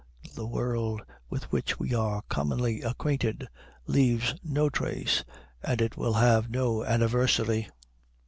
The world with which we are commonly acquainted leaves no trace, and it will have no anniversary.